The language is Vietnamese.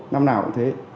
năm nào cũng thế